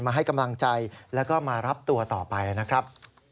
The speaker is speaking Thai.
ให้กำลังใจแล้วก็มารับตัวต่อไปนะครับ